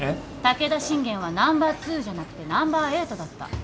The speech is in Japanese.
武田信玄はナンバー２じゃなくてナンバー８だった。